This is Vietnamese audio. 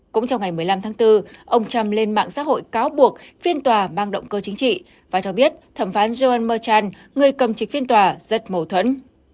cũng trong ngày một mươi năm tháng bốn ông trump lên mạng xã hội cáo buộc phiên tòa mang động cơ chính trị và cho biết thẩm phán jorn murchan người cầm trịch phiên tòa rất mâu thuẫn